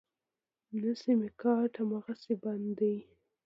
نه سيمکارټ امغسې بند دی.